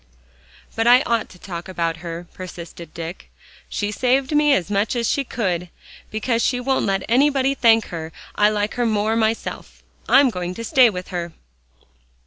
"But I ought to talk about her," persisted Dick. "She saved me as much as she could. Because she won't let anybody thank her, I like her more myself. I'm going to stay with her."